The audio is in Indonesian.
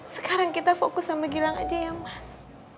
sekarang kita fokus sama gilang aja ya mas